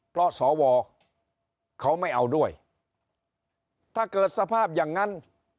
เพราะสวเขาไม่เอาด้วยถ้าเกิดสภาพอย่างนั้น